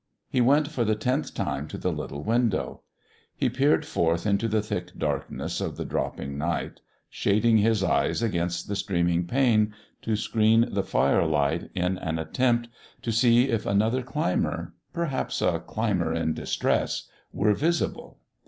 He went for the tenth time to the little window. He peered forth into the thick darkness of the dropping night, shading his eyes against the streaming pane to screen the firelight in an attempt to see if another climber perhaps a climber in distress were visible.